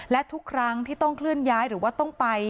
และทุกครั้งที่ต้องเคลื่อนย้ายหรือว่าต้องไป